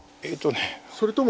それとも。